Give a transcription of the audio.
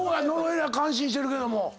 野呂感心してるけども。